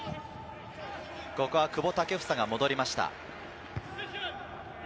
ここは久保建英が戻りました。